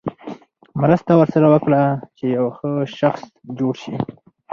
مرسته ورسره وکړه چې یو ښه شخص جوړ شي.